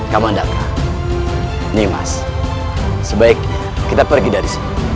kamandaka nimas sebaiknya kita pergi dari sini